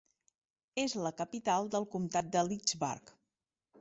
És la capital del comptat de Lidzbark.